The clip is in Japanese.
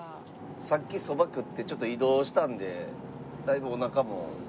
さっきそば食ってちょっと移動したんでだいぶおなかも。